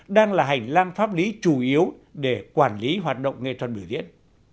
đang là hành lang pháp lý chủ yếu để quản lý hoạt động nghệ thuật biểu diễn